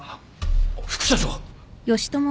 副社長。